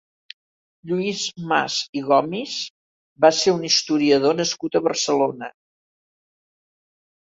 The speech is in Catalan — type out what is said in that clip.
Lluís Mas i Gomis va ser un historiador nascut a Barcelona.